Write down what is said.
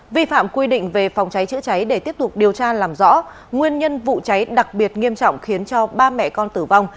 vi phạm quy định về phòng cháy chữa cháy để tiếp tục điều tra làm rõ nguyên nhân vụ cháy đặc biệt nghiêm trọng khiến cho ba mẹ con tử vong